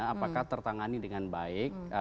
apakah tertangani dengan baik